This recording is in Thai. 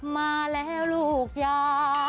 มาแล้วลูกจ้า